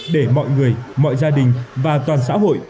để mọi người mọi gia đình và toàn xã hội